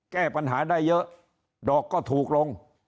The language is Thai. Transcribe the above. แก้ปัญหาได้เยอะดอกก็ถูกลง